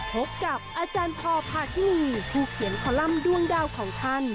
พบกับอาจารย์พอพาทินีผู้เขียนคอลัมป์ด้วงดาวของท่าน